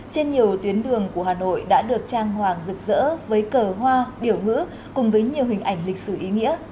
trên nhiều tuyến đường của hà nội đã được trang hoàng rực rỡ với cờ hoa biểu ngữ cùng với nhiều hình ảnh lịch sử ý nghĩa